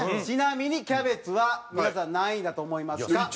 ちなみにキャベツは皆さん何位だと思いますか？